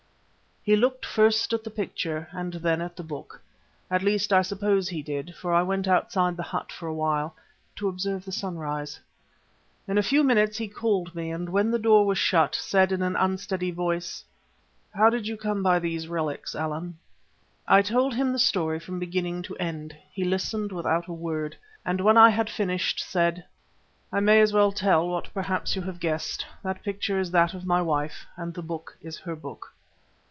He looked first at the picture and then at the book; at least, I suppose he did, for I went outside the hut for a while to observe the sunrise. In a few minutes he called me, and when the door was shut, said in an unsteady voice: "How did you come by these relics, Allan?" I told him the story from beginning to end. He listened without a word, and when I had finished said: "I may as well tell what perhaps you have guessed, that the picture is that of my wife, and the book is her book."